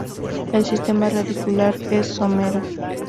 El sistema radicular es somero.